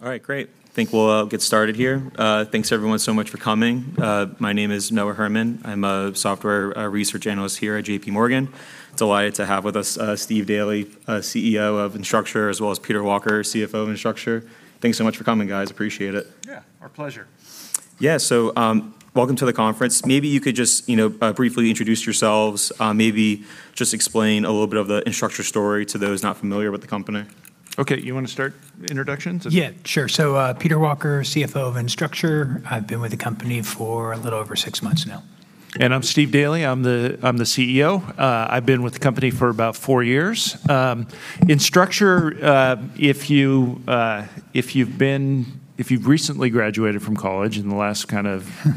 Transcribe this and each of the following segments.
All right, great. Think we'll get started here. Thanks everyone so much for coming. My name is Noah Herman. I'm a software research analyst here at J.P. Morgan. Delighted to have with us Steve Daly, CEO of Instructure, as well as Peter Walker, CFO of Instructure. Thanks so much for coming, guys. Appreciate it. Yeah, our pleasure. Yeah, so, welcome to the conference. Maybe you could just, you know, briefly introduce yourselves, maybe just explain a little bit of the Instructure story to those not familiar with the company. Okay, you wanna start introductions? Yeah, sure. So, Peter Walker, CFO of Instructure. I've been with the company for a little over six months now. And I'm Steve Daly, I'm the CEO. I've been with the company for about four years. Instructure, if you've recently graduated from college in the last kind of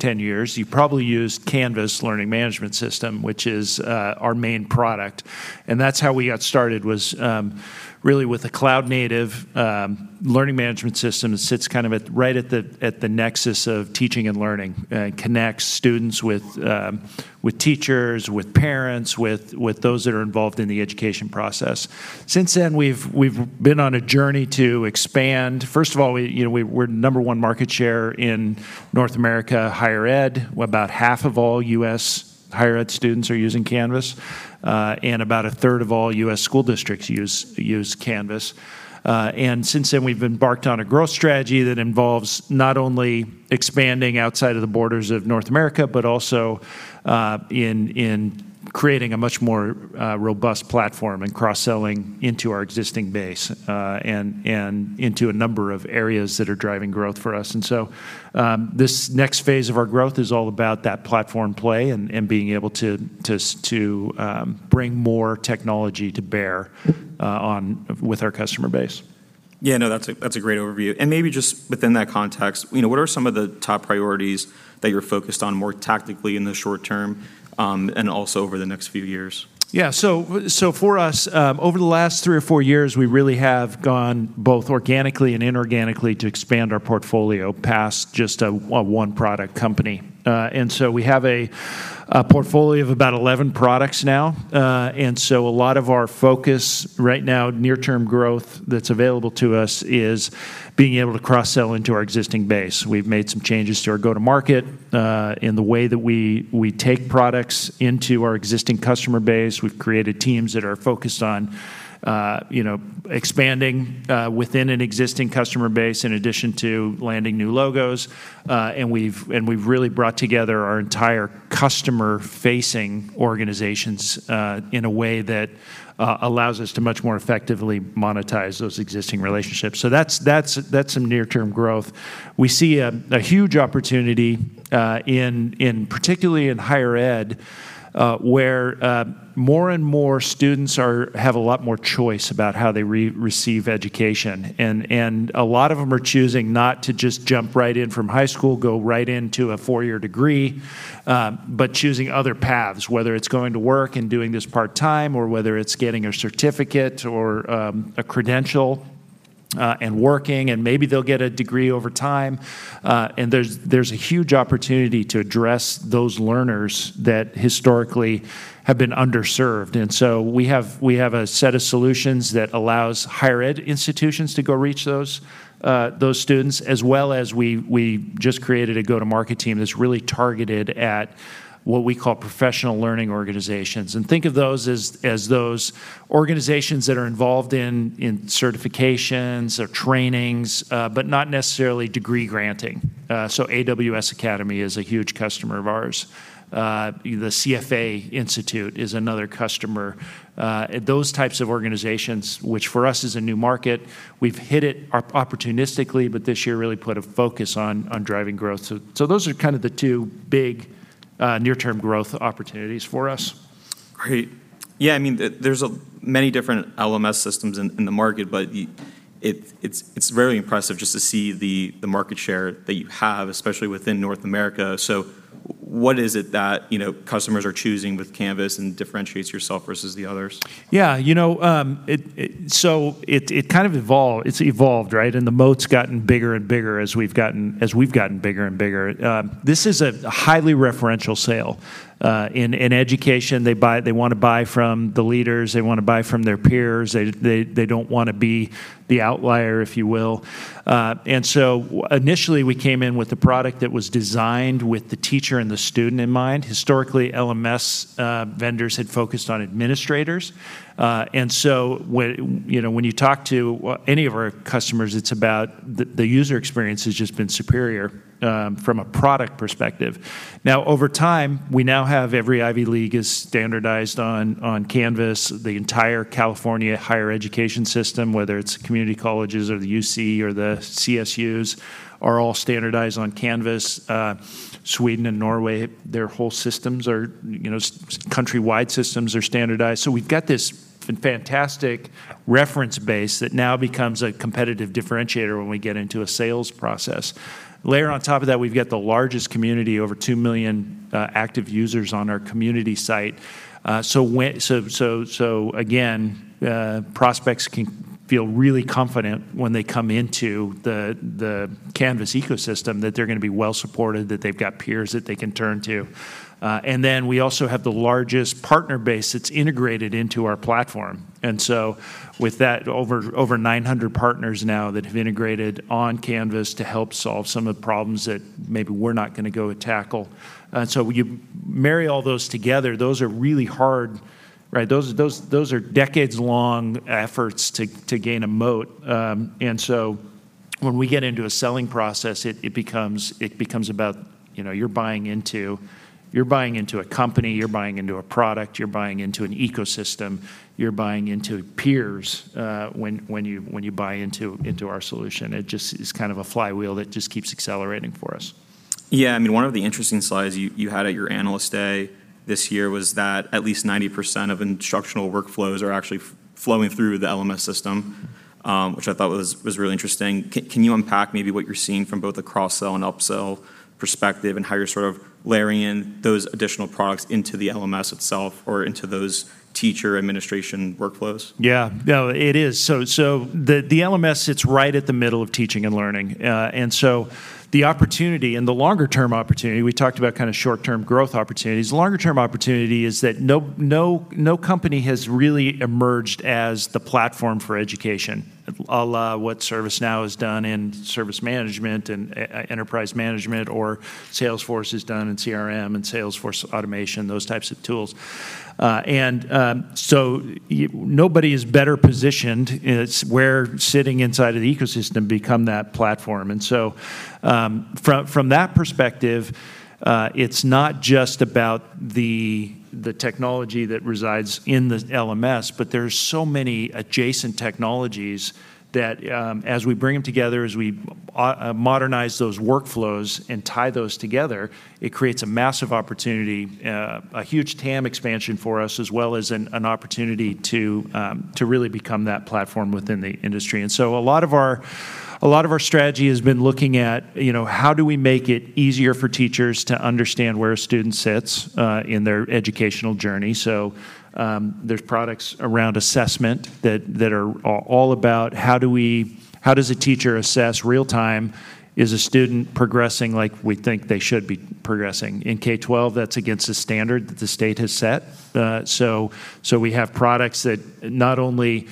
10 years, you've probably used Canvas Learning Management System, which is our main product. And that's how we got started, was really with a cloud-native learning management system that sits kind of at right at the nexus of teaching and learning. It connects students with teachers, with parents, with those that are involved in the education process. Since then, we've been on a journey to expand. First of all, you know, we're number one market share in North America higher ed, where about half of all U.S. higher ed students are using Canvas, and about a third of all U.S. school districts use Canvas. And since then, we've embarked on a growth strategy that involves not only expanding outside of the borders of North America, but also in creating a much more robust platform and cross-selling into our existing base, and into a number of areas that are driving growth for us. This next phase of our growth is all about that platform play and being able to bring more technology to bear on with our customer base. Yeah, no, that's a great overview. And maybe just within that context, you know, what are some of the top priorities that you're focused on more tactically in the short term, and also over the next few years? Yeah. So for us, over the last three or four years, we really have gone both organically and inorganically to expand our portfolio past just a one-product company. And so we have a portfolio of about 11 products now. And so a lot of our focus right now, near-term growth that's available to us, is being able to cross-sell into our existing base. We've made some changes to our go-to-market, in the way that we take products into our existing customer base. We've created teams that are focused on, you know, expanding within an existing customer base, in addition to landing new logos. And we've really brought together our entire customer-facing organizations, in a way that allows us to much more effectively monetize those existing relationships. So that's some near-term growth. We see a huge opportunity in particularly in higher ed, where more and more students have a lot more choice about how they receive education. And a lot of them are choosing not to just jump right in from high school, go right into a four-year degree, but choosing other paths, whether it's going to work and doing this part-time, or whether it's getting a certificate or a credential, and working, and maybe they'll get a degree over time. And there's a huge opportunity to address those learners that historically have been underserved. And so we have a set of solutions that allows higher ed institutions to go reach those students, as well as we just created a go-to-market team that's really targeted at what we call professional learning organizations. And think of those as those organizations that are involved in certifications or trainings, but not necessarily degree-granting. So AWS Academy is a huge customer of ours. The CFA Institute is another customer. Those types of organizations, which for us is a new market, we've hit it opportunistically, but this year really put a focus on driving growth. So those are kind of the two big near-term growth opportunities for us. Great. Yeah, I mean, there's many different LMS systems in the market, but it's very impressive just to see the market share that you have, especially within North America. So what is it that, you know, customers are choosing with Canvas and differentiates yourself versus the others? Yeah, you know, it kind of evolved, it's evolved, right? And the moat's gotten bigger and bigger as we've gotten, as we've gotten bigger and bigger. This is a highly referential sale. In education, they buy—they want to buy from the leaders, they want to buy from their peers, they don't want to be the outlier, if you will. And so initially, we came in with a product that was designed with the teacher and the student in mind. Historically, LMS vendors had focused on administrators. And so when you know, when you talk to any of our customers, it's about the user experience has just been superior from a product perspective. Now, over time, we now have every Ivy League is standardized on, on Canvas, the entire California higher education system, whether it's community colleges or the UC or the CSUs, are all standardized on Canvas. Sweden and Norway, their whole systems are, you know, countrywide systems are standardized. So we've got this fantastic reference base that now becomes a competitive differentiator when we get into a sales process. Layer on top of that, we've got the largest community, over two million, active users on our community site. So again, prospects can feel really confident when they come into the, the Canvas ecosystem, that they're going to be well-supported, that they've got peers that they can turn to. And then we also have the largest partner base that's integrated into our platform. And so with that, over 900 partners now that have integrated on Canvas to help solve some of the problems that maybe we're not going to go tackle. And so you marry all those together, those are really hard, right? Those are decades-long efforts to gain a moat. When we get into a selling process, it becomes about, you know, you're buying into a company, you're buying into a product, you're buying into an ecosystem, you're buying into peers when you buy into our solution. It just is kind of a flywheel that just keeps accelerating for us. Yeah, I mean, one of the interesting slides you had at your Analyst Day this year was that at least 90% of instructional workflows are actually flowing through the LMS system, which I thought was really interesting. Can you unpack maybe what you're seeing from both the cross-sell and upsell perspective, and how you're sort of layering in those additional products into the LMS itself or into those teacher administration workflows? Yeah. No, it is. So the LMS sits right at the middle of teaching and learning. And so the opportunity, and the longer-term opportunity, we talked about kinda short-term growth opportunities. The longer-term opportunity is that no, no, no company has really emerged as the platform for education, a la what ServiceNow has done in service management and enterprise management, or Salesforce has done in CRM and Salesforce automation, those types of tools. And nobody is better positioned. It's we're sitting inside of the ecosystem become that platform. And so, from that perspective, it's not just about the technology that resides in the LMS, but there's so many adjacent technologies that, as we bring them together, as we modernize those workflows and tie those together, it creates a massive opportunity, a huge TAM expansion for us, as well as an opportunity to really become that platform within the industry. And so a lot of our strategy has been looking at, you know, how do we make it easier for teachers to understand where a student sits in their educational journey? So, there's products around assessment that are all about how does a teacher assess real time, is a student progressing like we think they should be progressing? In K-12, that's against the standard that the state has set. So we have products that not only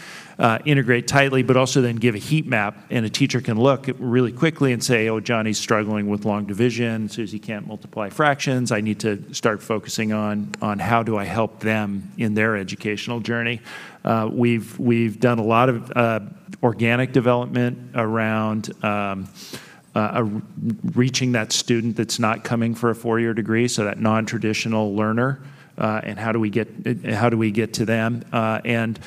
integrate tightly, but also then give a heat map, and a teacher can look really quickly and say, "Oh, Johnny's struggling with long division. Susie can't multiply fractions. I need to start focusing on how do I help them in their educational journey." We've done a lot of organic development around reaching that student that's not coming for a four-year degree, so that non-traditional learner, and how do we get to them? And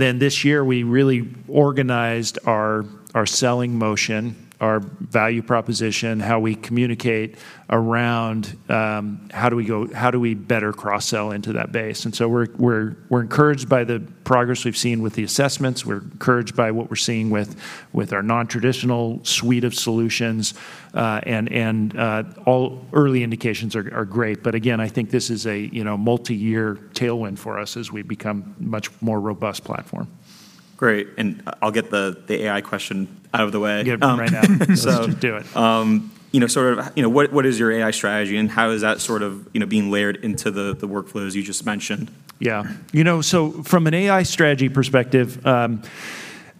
then this year, we really organized our selling motion, our value proposition, how we communicate around how do we better cross-sell into that base? So we're encouraged by the progress we've seen with the assessments. We're encouraged by what we're seeing with our non-traditional suite of solutions, and all early indications are great. But again, I think this is a, you know, multiyear tailwind for us as we become much more robust platform. Great, and I'll get the AI question out of the way. Get it out right now. So- Just do it. You know, sort of, you know, what is your AI strategy, and how is that sort of, you know, being layered into the workflows you just mentioned? Yeah. You know, so from an AI strategy perspective,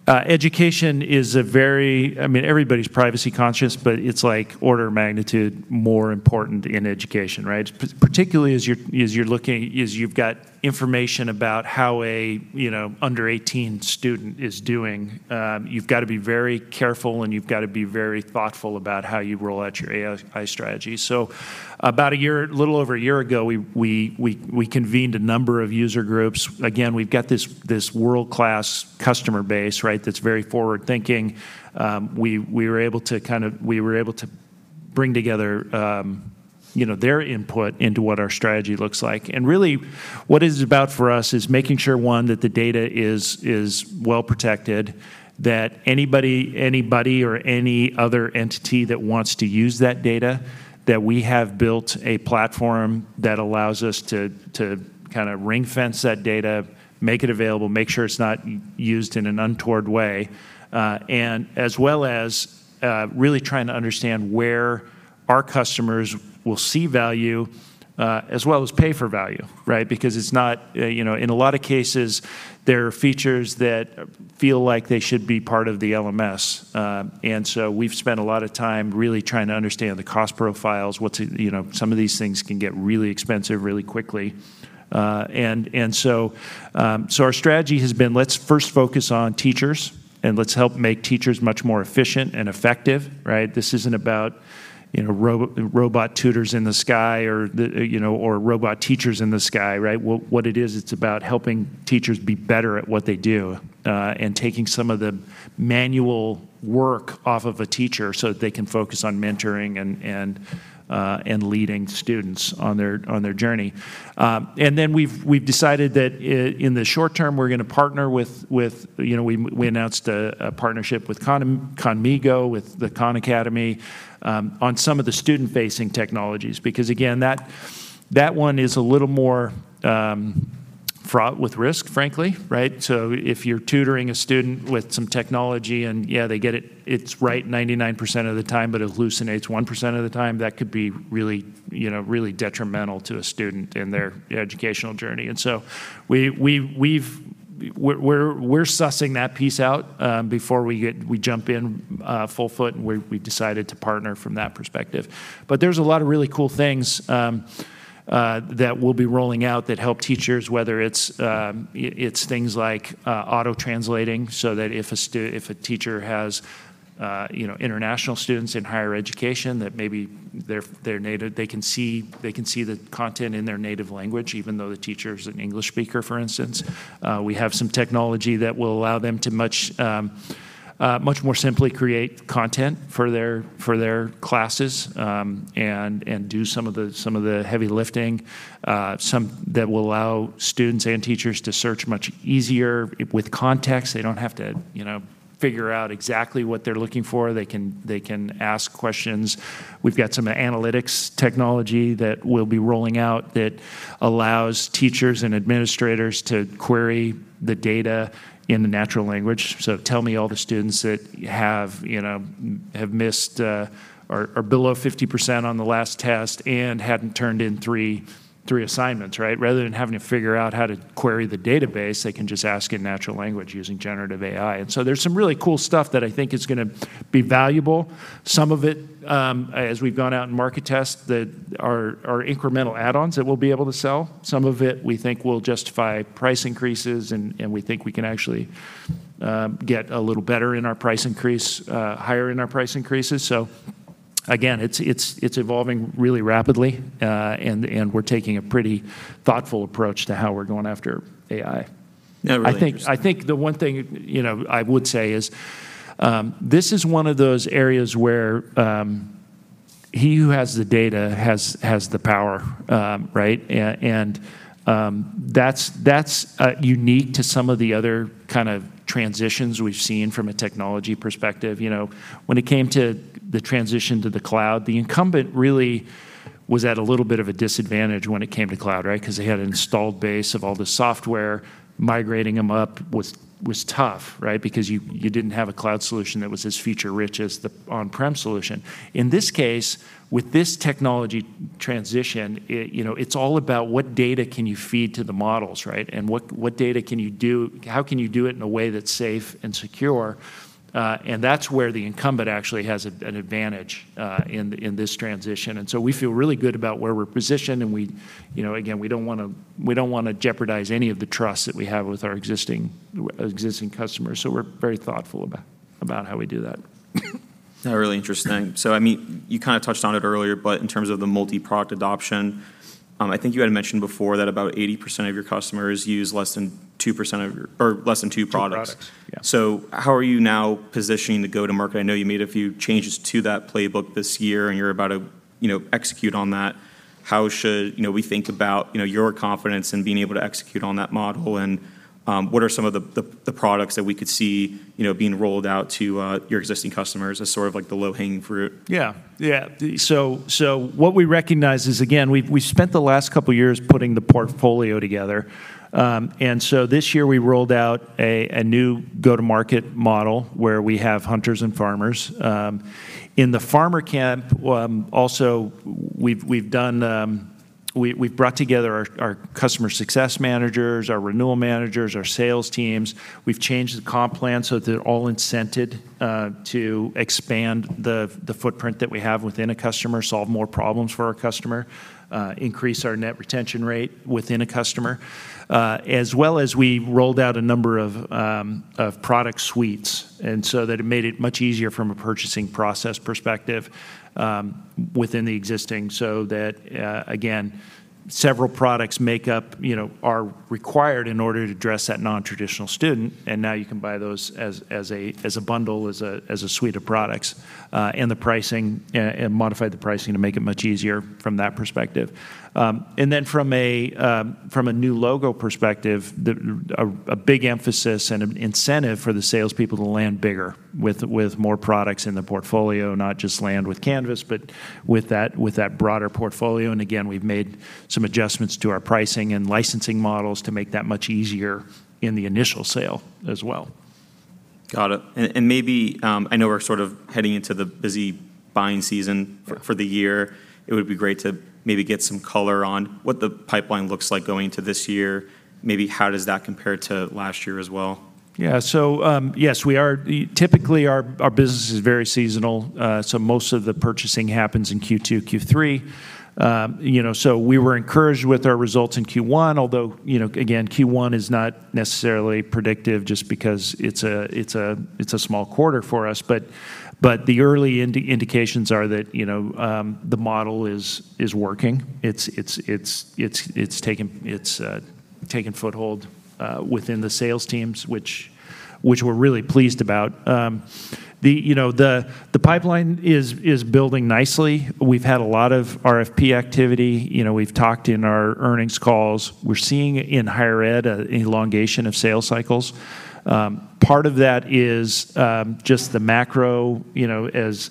education is a very... I mean, everybody's privacy conscious, but it's like order of magnitude more important in education, right? Particularly as you're looking, as you've got information about how a, you know, under-18 student is doing, you've got to be very careful, and you've got to be very thoughtful about how you roll out your AI strategy. So about a year, a little over a year ago, we convened a number of user groups. Again, we've got this world-class customer base, right? That's very forward-thinking. We were able to kind of bring together, you know, their input into what our strategy looks like. And really, what this is about for us is making sure, one, that the data is well-protected, that anybody or any other entity that wants to use that data, that we have built a platform that allows us to kind of ring-fence that data, make it available, make sure it's not used in an untoward way. And as well as really trying to understand where our customers will see value, as well as pay for value, right? Because it's not, you know, in a lot of cases, there are features that feel like they should be part of the LMS. And so we've spent a lot of time really trying to understand the cost profiles, what's, you know, some of these things can get really expensive really quickly. And so our strategy has been, let's first focus on teachers, and let's help make teachers much more efficient and effective, right? This isn't about, you know, robot tutors in the sky or the, you know, or robot teachers in the sky, right? What it is, it's about helping teachers be better at what they do, and taking some of the manual work off of a teacher so that they can focus on mentoring and leading students on their journey. And then we've decided that in the short term, we're gonna partner with, you know, we announced a partnership with Khanmigo, with the Khan Academy, on some of the student-facing technologies. Because, again, that one is a little more fraught with risk, frankly, right? So if you're tutoring a student with some technology, and yeah, they get it, it's right 99% of the time, but it hallucinates 1% of the time, that could be really, you know, really detrimental to a student in their educational journey. And so we're sussing that piece out before we jump in full foot, and we decided to partner from that perspective. But there's a lot of really cool things that we'll be rolling out that help teachers, whether it's things like auto-translating, so that if a teacher has, you know, international students in higher education, that maybe their native language, they can see the content in their native language, even though the teacher is an English speaker, for instance. We have some technology that will allow them to much more simply create content for their classes, and do some of the heavy lifting, some that will allow students and teachers to search much easier with context. They don't have to, you know, figure out exactly what they're looking for. They can, they can ask questions. We've got some analytics technology that we'll be rolling out that allows teachers and administrators to query the data in natural language. So tell me, all the students that have, you know, have missed, are below 50% on the last test and hadn't turned in three assignments, right? Rather than having to figure out how to query the database, they can just ask in natural language using generative AI. And so there's some really cool stuff that I think is gonna be valuable. Some of it, as we've gone out and market test, that are incremental add-ons that we'll be able to sell. Some of it we think will justify price increases, and we think we can actually get a little better in our price increase, higher in our price increases. So again, it's evolving really rapidly, and we're taking a pretty thoughtful approach to how we're going after AI. Yeah, really interesting. I think the one thing, you know, I would say is, this is one of those areas where, he who has the data has the power, right? And that's unique to some of the other kind of transitions we've seen from a technology perspective. You know, when it came to the transition to the cloud, the incumbent really was at a little bit of a disadvantage when it came to cloud, right? 'Cause they had an installed base of all the software. Migrating them up was tough, right? Because you didn't have a cloud solution that was as feature-rich as the on-prem solution. In this case, with this technology transition, you know, it's all about what data can you feed to the models, right? What, what data can you do? How can you do it in a way that's safe and secure? And that's where the incumbent actually has an advantage in this transition. And so we feel really good about where we're positioned, and we, you know, again, we don't wanna jeopardize any of the trust that we have with our existing customers, so we're very thoughtful about how we do that. Really interesting. So, I mean, you kinda touched on it earlier, but in terms of the multi-product adoption, I think you had mentioned before that about 80% of your customers use less than 2% of your... or less than two products. Two products, yeah. So how are you now positioning the go-to-market? I know you made a few changes to that playbook this year, and you're about to, you know, execute on that. How should, you know, we think about, you know, your confidence in being able to execute on that model, and what are some of the products that we could see, you know, being rolled out to your existing customers as sort of like the low-hanging fruit? Yeah. Yeah. So what we recognize is, again, we've spent the last couple of years putting the portfolio together. And so this year, we rolled out a new go-to-market model, where we have hunters and farmers. In the farmer camp, also, we've brought together our customer success managers, our renewal managers, our sales teams. We've changed the comp plan so that they're all incented to expand the footprint that we have within a customer, solve more problems for our customer, increase our net retention rate within a customer, as well as we rolled out a number of product suites, and so that it made it much easier from a purchasing process perspective, within the existing, so that again, several products make up, you know, are required in order to address that non-traditional student. And now you can buy those as a bundle, as a suite of products, and the pricing and modify the pricing to make it much easier from that perspective. And then from a new logo perspective, the... A big emphasis and an incentive for the salespeople to land bigger with more products in the portfolio, not just land with Canvas, but with that broader portfolio. And again, we've made some adjustments to our pricing and licensing models to make that much easier in the initial sale as well. Got it. And maybe, I know we're sort of heading into the busy buying season- Yeah... for the year. It would be great to maybe get some color on what the pipeline looks like going into this year. Maybe how does that compare to last year as well? Yeah. So, yes, we are typically our business is very seasonal, so most of the purchasing happens in Q2, Q3. You know, so we were encouraged with our results in Q1, although, you know, again, Q1 is not necessarily predictive just because it's a small quarter for us. But the early indications are that, you know, the model is working. It's taken foothold within the sales teams, which we're really pleased about. You know, the pipeline is building nicely. We've had a lot of RFP activity. You know, we've talked in our earnings calls. We're seeing in higher ed an elongation of sales cycles. Part of that is just the macro, you know, as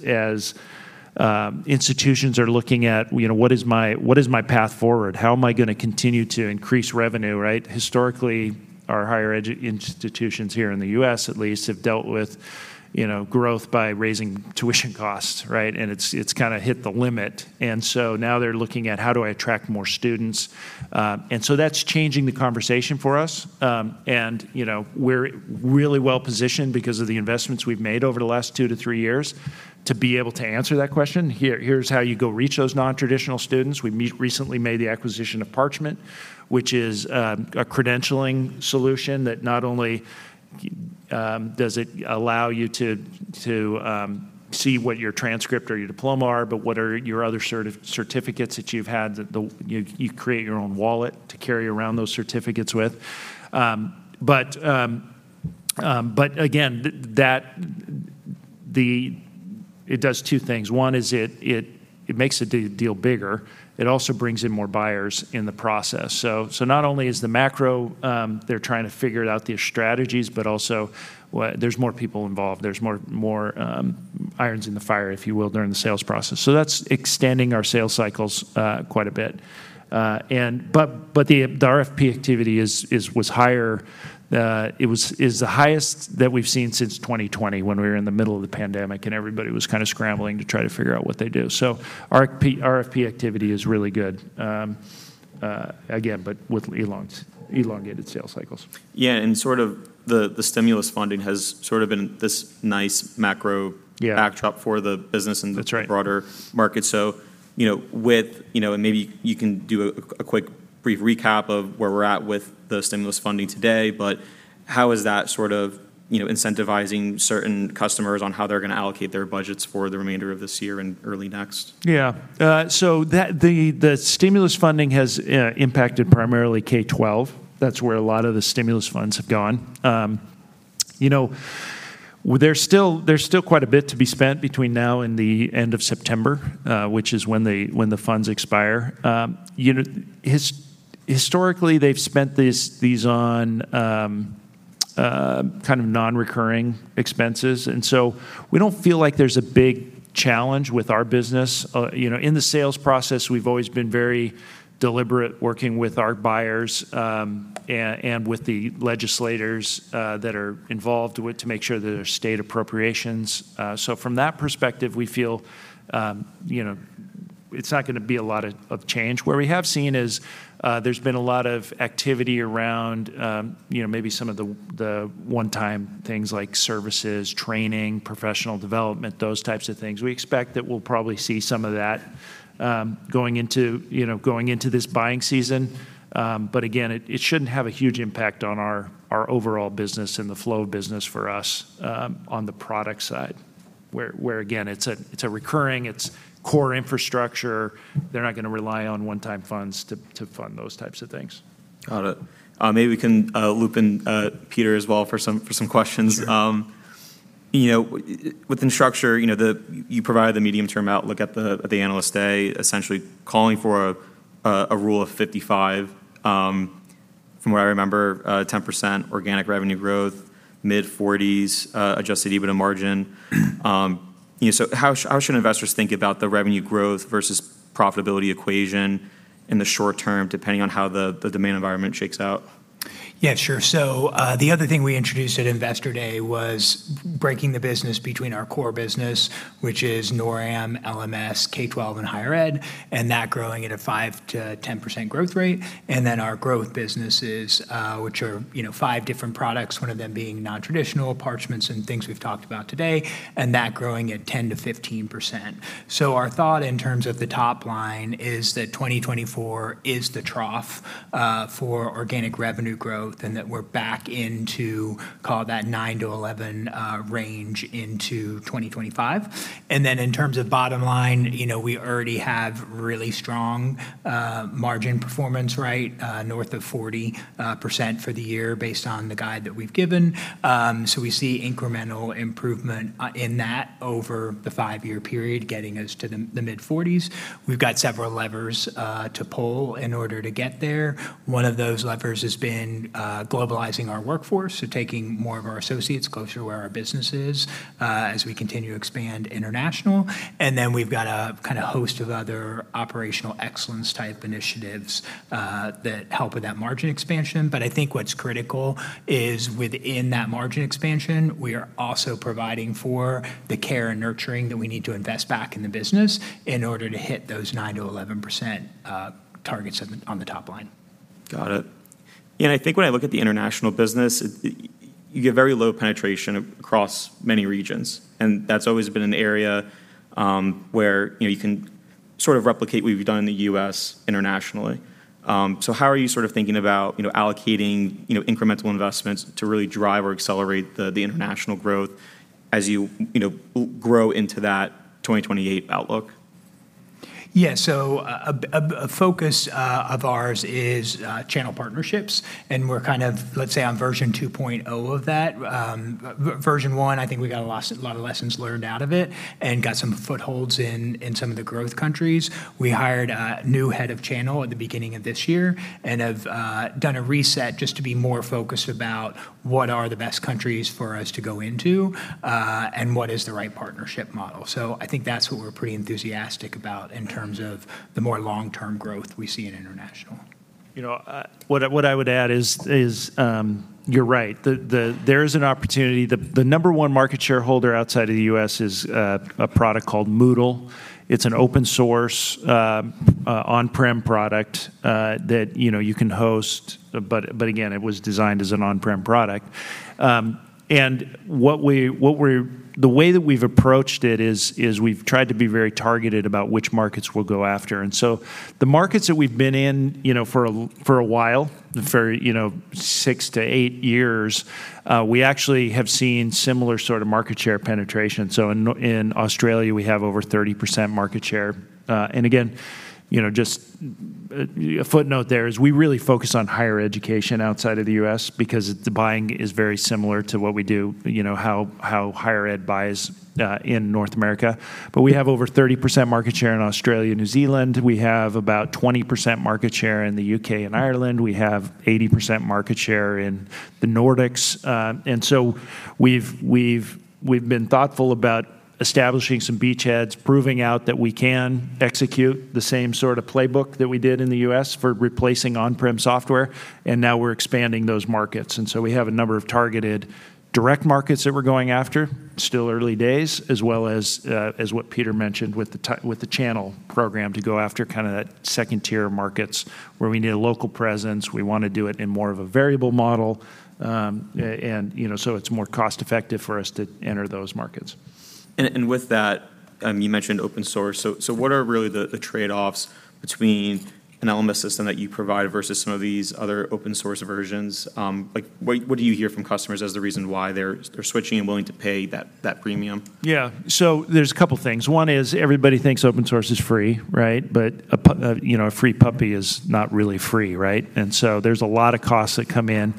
institutions are looking at, you know, "What is my, what is my path forward? How am I gonna continue to increase revenue," right? Historically, our higher education institutions here in the U.S., at least, have dealt with, you know, growth by raising tuition costs, right? It's kinda hit the limit. So now they're looking at, "How do I attract more students?" And so that's changing the conversation for us. And, you know, we're really well-positioned because of the investments we've made over the last 2-3 years to be able to answer that question. Here's how you go reach those non-traditional students. We recently made the acquisition of Parchment, which is a credentialing solution that not only... Does it allow you to see what your transcript or your diploma are, but what are your other certificates that you've had, you create your own wallet to carry around those certificates with? But again, it does two things. One is it makes the deal bigger. It also brings in more buyers in the process. So not only is the macro, they're trying to figure out their strategies, but also there's more people involved. There's more irons in the fire, if you will, during the sales process. So that's extending our sales cycles quite a bit. But the RFP activity was higher. It is the highest that we've seen since 2020, when we were in the middle of the pandemic, and everybody was kind of scrambling to try to figure out what they do. So RFP activity is really good, again, but with elongated sales cycles. Yeah, and sort of the stimulus funding has sort of been this nice macro- Yeah backdrop for the business That's right... and the broader market. So, you know, with, you know, and maybe you can do a quick brief recap of where we're at with the stimulus funding today, but how is that sort of, you know, incentivizing certain customers on how they're gonna allocate their budgets for the remainder of this year and early next? Yeah. So that, the stimulus funding has impacted primarily K-12. That's where a lot of the stimulus funds have gone. You know, well, there's still quite a bit to be spent between now and the end of September, which is when the funds expire. You know, historically, they've spent these on kind of non-recurring expenses, and so we don't feel like there's a big challenge with our business. You know, in the sales process, we've always been very deliberate, working with our buyers and with the legislators that are involved with, to make sure that there's state appropriations. So from that perspective, we feel, you know, it's not gonna be a lot of change. Where we have seen is, there's been a lot of activity around, you know, maybe some of the, the one-time things like services, training, professional development, those types of things. We expect that we'll probably see some of that, going into, you know, going into this buying season. But again, it, it shouldn't have a huge impact on our, our overall business and the flow of business for us, on the product side, where, where again, it's a, it's a recurring, it's core infrastructure. They're not gonna rely on one-time funds to, to fund those types of things. Got it. Maybe we can loop in Peter as well for some, for some questions. Sure. You know, within Instructure, you know, you provided the medium-term outlook at the Analyst Day, essentially calling for a Rule of 55, from what I remember, 10% organic revenue growth, mid-40s% adjusted EBITDA margin. You know, so how should investors think about the revenue growth versus profitability equation in the short term, depending on how the demand environment shakes out? Yeah, sure. So, the other thing we introduced at Investor Day was breaking the business between our core business, which is North America, LMS, K-12, and Higher Ed, and that growing at a 5%-10% growth rate, and then our growth businesses, which are, you know, five different products, one of them being non-traditional, Parchment and things we've talked about today, and that growing at 10%-15%. So our thought in terms of the top line is that 2024 is the trough for organic revenue growth, and that we're back into call it that 9%-11% range into 2025. And then in terms of bottom line, you know, we already have really strong margin performance, right? North of 40% for the year, based on the guide that we've given. So we see incremental improvement in that over the five-year period, getting us to the mid-forties. We've got several levers to pull in order to get there. One of those levers has been globalizing our workforce, so taking more of our associates closer to where our business is as we continue to expand international. And then we've got a kind of host of other operational excellence-type initiatives that help with that margin expansion. But I think what's critical is, within that margin expansion, we are also providing for the care and nurturing that we need to invest back in the business in order to hit those 9%-11% targets on the top line. Got it. Yeah, and I think when I look at the international business, you get very low penetration across many regions, and that's always been an area where, you know, you can sort of replicate what you've done in the U.S. internationally. So how are you sort of thinking about, you know, allocating, you know, incremental investments to really drive or accelerate the international growth as you, you know, grow into that 2028 outlook? Yeah. So a focus of ours is channel partnerships, and we're kind of, let's say, on version 2.0 of that. Version one, I think we got a lot, a lot of lessons learned out of it and got some footholds in some of the growth countries. We hired a new head of channel at the beginning of this year and have done a reset just to be more focused about what are the best countries for us to go into and what is the right partnership model. So I think that's what we're pretty enthusiastic about in terms of the more long-term growth we see in international.... You know, what I would add is, you're right. There is an opportunity. The number one market share holder outside of the U.S. is a product called Moodle. It's an open source on-prem product that you know you can host, but again, it was designed as an on-prem product. And the way that we've approached it is we've tried to be very targeted about which markets we'll go after. And so the markets that we've been in, you know, for a while, for you know six-eight years, we actually have seen similar sort of market share penetration. So in Australia, we have over 30% market share. And again, you know, just, a footnote there is we really focus on higher education outside of the U.S. because the buying is very similar to what we do, you know, how, how higher ed buys, in North America. But we have over 30% market share in Australia and New Zealand. We have about 20% market share in the UK and Ireland. We have 80% market share in the Nordics. And so we've been thoughtful about establishing some beachheads, proving out that we can execute the same sort of playbook that we did in the US for replacing on-prem software, and now we're expanding those markets. And so we have a number of targeted direct markets that we're going after, still early days, as well as what Peter mentioned, with the channel program to go after kinda that second-tier markets where we need a local presence. We wanna do it in more of a variable model, and, you know, so it's more cost-effective for us to enter those markets. With that, you mentioned open source. So what are really the trade-offs between an LMS system that you provide versus some of these other open-source versions? Like, what do you hear from customers as the reason why they're switching and willing to pay that premium? Yeah. So there's a couple things. One is everybody thinks open source is free, right? But you know, a free puppy is not really free, right? And so there's a lot of costs that come in.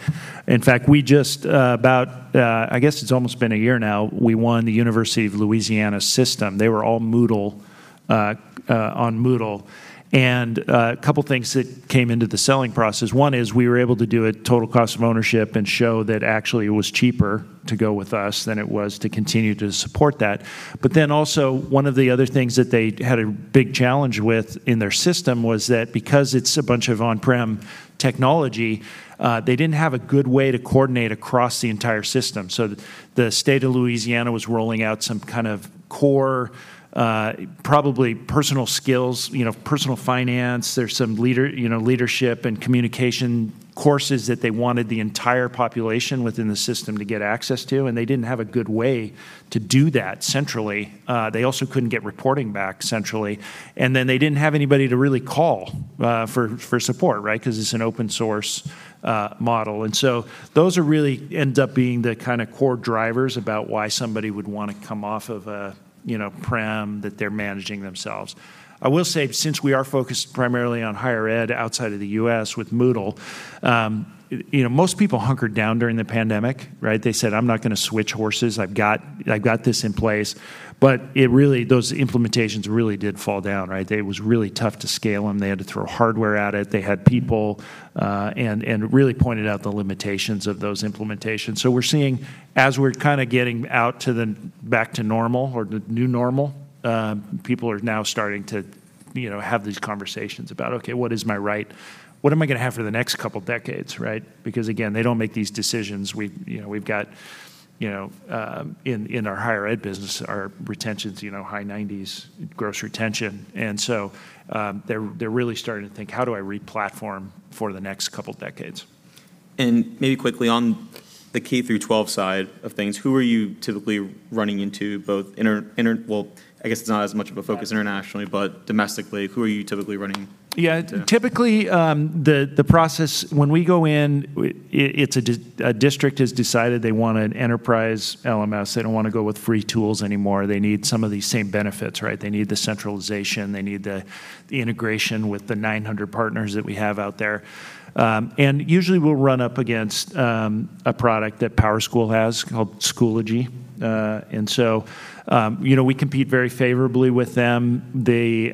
In fact, we just about, I guess it's almost been a year now, we won the University of Louisiana System. They were all Moodle, on Moodle. And a couple things that came into the selling process: one is we were able to do a total cost of ownership and show that actually it was cheaper to go with us than it was to continue to support that. But then also, one of the other things that they had a big challenge with in their system was that because it's a bunch of on-prem technology, they didn't have a good way to coordinate across the entire system. So the State of Louisiana was rolling out some kind of core, probably personal skills, you know, personal finance. There's some leader, you know, leadership and communication courses that they wanted the entire population within the system to get access to, and they didn't have a good way to do that centrally. They also couldn't get reporting back centrally, and then they didn't have anybody to really call for support, right? Because it's an open source model. And so those are really end up being the kinda core drivers about why somebody would wanna come off of a, you know, prem that they're managing themselves. I will say, since we are focused primarily on higher ed outside of the U.S. with Moodle, you know, most people hunkered down during the pandemic, right? They said, "I'm not gonna switch horses. I've got, I've got this in place." But it really, those implementations really did fall down, right? They. It was really tough to scale them. They had to throw hardware at it. They had people, and it really pointed out the limitations of those implementations. So we're seeing as we're kinda getting out to the back to normal or the new normal, people are now starting to, you know, have these conversations about, "Okay, what is my right—what am I gonna have for the next couple decades," right? Because, again, they don't make these decisions. We've, you know, we've got, you know, in our higher ed business, our retention's, you know, high 90s, gross retention. And so, they're really starting to think: How do I re-platform for the next couple decades? Maybe quickly on the K through twelve side of things, who are you typically running into? Well, I guess it's not as much of a focus internationally, but domestically, who are you typically running? Yeah. Yeah. Typically, the process, when we go in, it's a district has decided they want an enterprise LMS. They don't wanna go with free tools anymore. They need some of these same benefits, right? They need the centralization. They need the integration with the 900 partners that we have out there. And usually, we'll run up against a product that PowerSchool has called Schoology. And so, you know, we compete very favorably with them. They,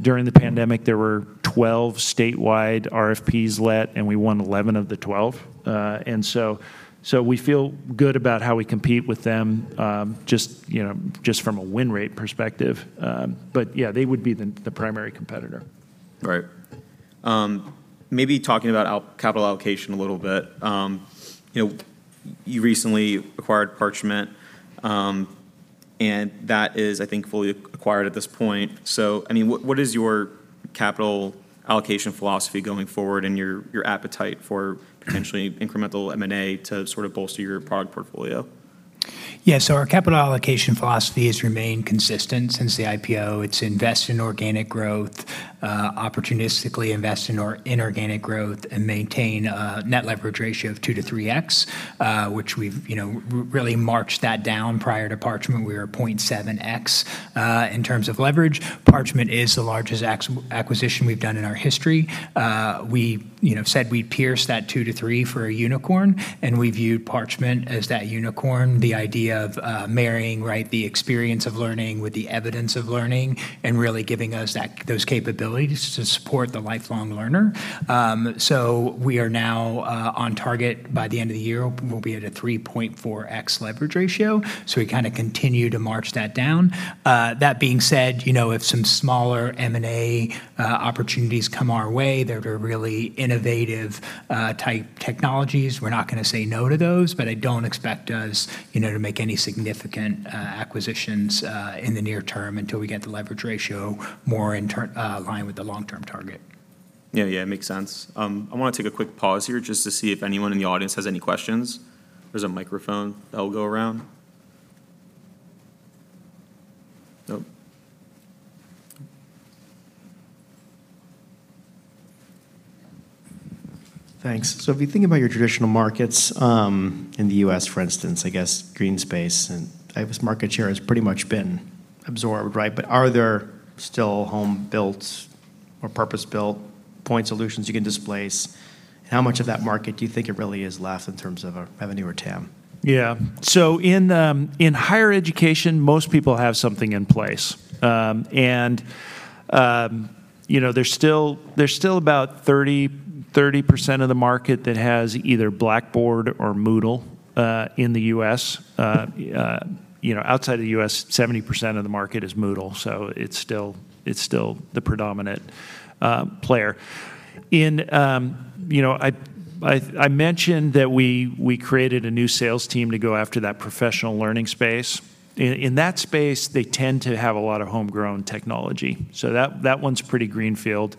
during the pandemic, there were 12 statewide RFPs let, and we won 11 of the 12. And so, so we feel good about how we compete with them, just, you know, just from a win rate perspective. But yeah, they would be the primary competitor. Right. Maybe talking about capital allocation a little bit. You know, you recently acquired Parchment, and that is, I think, fully acquired at this point. So, I mean, what is your capital allocation philosophy going forward and your appetite for potentially incremental M&A to sort of bolster your product portfolio? Yeah. So our capital allocation philosophy has remained consistent since the IPO. It's invest in organic growth, opportunistically invest in or inorganic growth, and maintain a net leverage ratio of 2-3x, which we've, you know, really marched that down. Prior to Parchment, we were at 0.7x, in terms of leverage. Parchment is the largest acquisition we've done in our history. We, you know, said we'd pierce that two-three x for a unicorn, and we viewed Parchment as that unicorn, the idea of, marrying, right, the experience of learning with the evidence of learning and really giving us that, those capabilities to support the lifelong learner. So we are now, on target. By the end of the year, we'll be at a 3.4x leverage ratio, so we kinda continue to march that down. That being said, you know, if some smaller M&A opportunities come our way, they're really innovative type technologies, we're not gonna say no to those, but I don't expect us, you know, to make any significant acquisitions in the near term until we get the leverage ratio more in line with the long-term target.... Yeah, yeah, it makes sense. I wanna take a quick pause here just to see if anyone in the audience has any questions. There's a microphone that will go around. Nope. Thanks. So if you think about your traditional markets, in the U.S., for instance, I guess green space and Canvas market share has pretty much been absorbed, right? But are there still home-built or purpose-built point solutions you can displace? How much of that market do you think it really is left in terms of a revenue or TAM? Yeah. So in higher education, most people have something in place. You know, there's still about 30% of the market that has either Blackboard or Moodle in the U.S. You know, outside of the U.S., 70% of the market is Moodle, so it's still the predominant player. You know, I mentioned that we created a new sales team to go after that professional learning space. In that space, they tend to have a lot of homegrown technology, so that one's pretty greenfield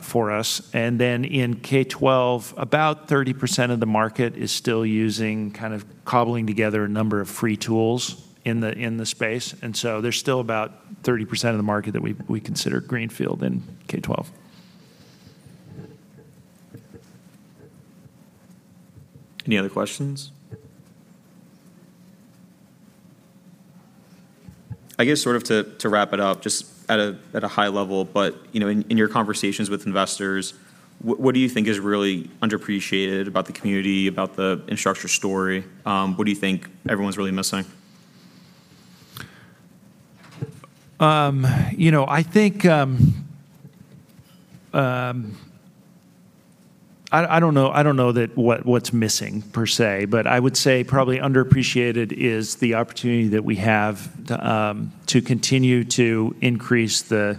for us. Then in K-12, about 30% of the market is still using, kind of cobbling together a number of free tools in the space, and so there's still about 30% of the market that we consider greenfield in K-12. Any other questions? I guess, sort of to, to wrap it up, just at a, at a high level, but, you know, in, in your conversations with investors, what, what do you think is really underappreciated about the community, about the Instructure story? What do you think everyone's really missing? You know, I think, I don't know that what's missing, per se, but I would say probably underappreciated is the opportunity that we have to continue to increase the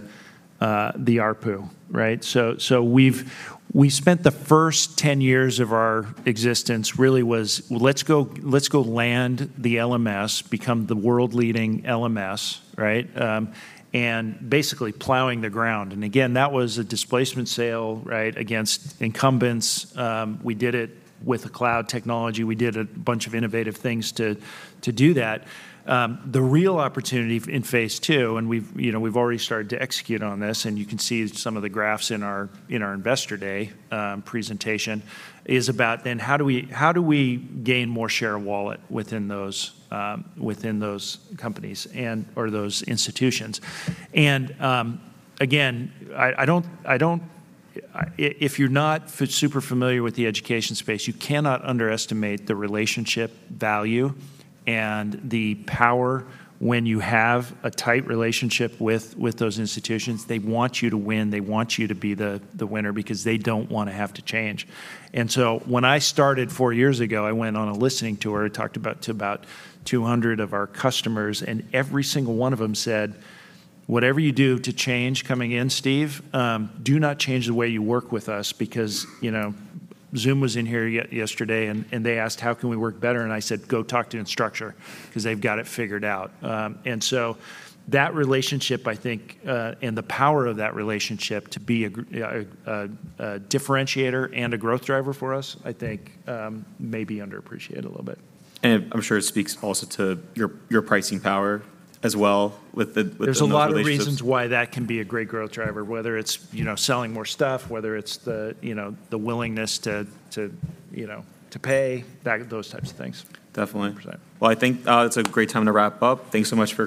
ARPU, right? So we've—we spent the first 10 years of our existence really was, "Let's go, let's go land the LMS, become the world-leading LMS," right? And basically plowing the ground. And again, that was a displacement sale, right, against incumbents. We did it with a cloud technology. We did a bunch of innovative things to do that. The real opportunity in phase two, and we've, you know, we've already started to execute on this, and you can see some of the graphs in our, in our Investor Day presentation, is about then how do we, how do we gain more share of wallet within those, within those companies and or those institutions? And, again, I, I don't, I don't, if you're not super familiar with the education space, you cannot underestimate the relationship value and the power when you have a tight relationship with, with those institutions. They want you to win. They want you to be the, the winner because they don't wanna have to change. And so when I started four years ago, I went on a listening tour. I talked about, to about 200 of our customers, and every single one of them said, "Whatever you do to change coming in, Steve, do not change the way you work with us." Because, you know, Zoom was in here yesterday, and they asked, "How can we work better?" And I said, "Go talk to Instructure, 'cause they've got it figured out." And so that relationship, I think, and the power of that relationship to be a differentiator and a growth driver for us, I think, may be underappreciated a little bit. I'm sure it speaks also to your pricing power as well, with those relationships- There's a lot of reasons why that can be a great growth driver, whether it's, you know, selling more stuff, whether it's the, you know, the willingness to, you know, to pay, that, those types of things. Definitely. Yeah. Well, I think, it's a great time to wrap up. Thanks so much for-